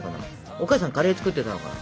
お母さんカレー作ってたのかな？